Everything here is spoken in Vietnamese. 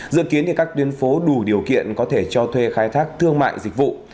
dự kiến các tuyến phố đủ điều kiện có thể cho thuê khai thác thương mại dịch vụ